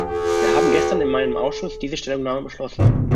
Wir haben gestern in meinem Ausschuss diese Stellungnahme beschlossen.